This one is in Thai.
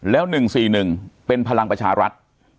แล้ว๑๔๑เป็นพลังประชารัฐ